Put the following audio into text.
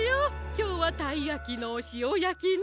きょうはたいやきのしおやきね。